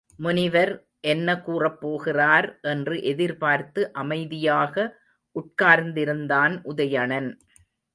முனிவர் என்ன கூறப் போகிறார் என்று எதிர்பார்த்து அமைதியாக உட்கார்ந்திருந்தான் உதயணன்.